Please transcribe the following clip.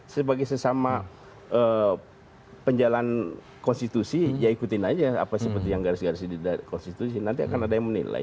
sebagai sesama penjalan konstitusi ya ikutin aja apa seperti yang garis garis di konstitusi nanti akan ada yang menilai